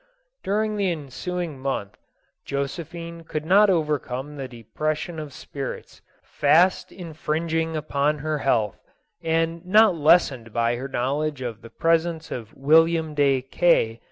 During the ensuing month, Josephine could not overcome the depression of spirits, fast in f«nging upon her health, and not lessened by her knowledge of the presence of William de K